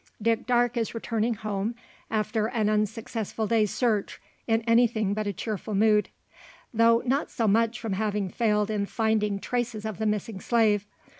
Dick Darke is returning home, after an unsuccessful day's search, in anything but a cheerful mood. Though not so much from having failed in finding traces of the missing slave.